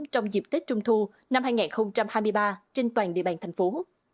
trong dịp tết trung thu năm hai nghìn hai mươi ba trên toàn địa bàn thành phố